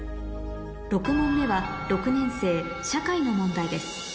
６問目は６年生社会の問題です